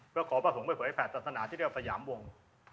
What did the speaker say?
เพื่อขอพระสงฆ์ไปเผยแผดศาสนาที่เรียกว่าสยามวง